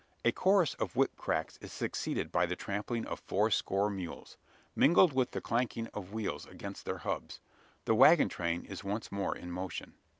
A chorus of whipcracks is succeeded by the trampling of fourscore mules, mingled with the clanking of wheels against their hubs. The waggon train is once more in motion.